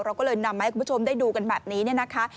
เราก็เลยนำมาให้คุณผู้ชมได้ดูกันแบบนี้เนี่ยนะคะ